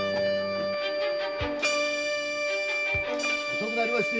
遅くなりまして。